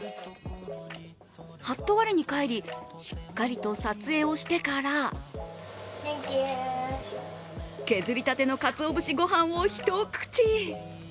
はっと我に返りしっかりと撮影をしてから削りたてのかつお節ごはんを一口。